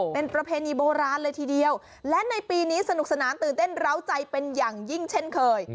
เป็นประเพณีโบราณเลยทีเดียวและในปีนี้สนุกสนานตื่นเต้นร้าวใจเป็นอย่างยิ่งเช่นเคย